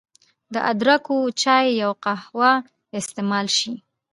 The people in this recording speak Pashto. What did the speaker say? د ادرکو چای يا قهوه استعمال شي